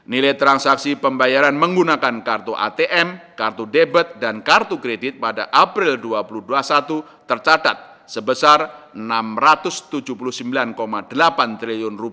nilai transaksi pembayaran menggunakan kartu atm kartu debet dan kartu kredit pada april dua ribu dua puluh satu tercatat sebesar rp enam ratus tujuh puluh sembilan delapan triliun